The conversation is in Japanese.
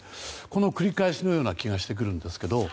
この繰り返しのような気がしてくるんですけど。